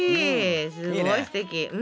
すごいすてき。